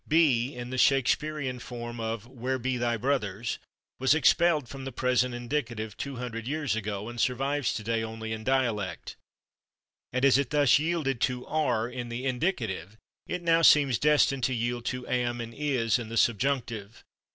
/Be/, in the Shakespearean form of "where /be/ thy brothers?" was expelled from the present indicative two hundred years ago, and survives today only in dialect. And as it thus yielded to /are/ in the indicative, it now seems destined to yield to /am/ and /is/ in the subjunctive.